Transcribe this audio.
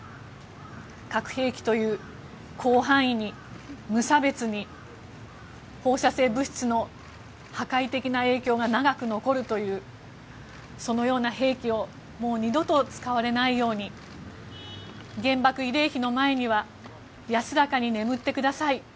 核兵器という広範囲に、無差別に放射性物質の破壊的な影響が長く残るというそのような兵器をもう二度と使われないように原爆慰霊碑の前には安らかに眠ってください